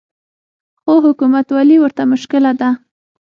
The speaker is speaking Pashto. خو حکومتولي ورته مشکله ده